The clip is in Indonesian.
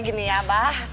gini ya bah